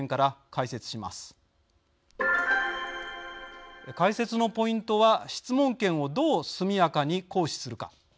解説のポイントは質問権をどう速やかに行使するか。